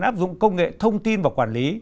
áp dụng công nghệ thông tin và quản lý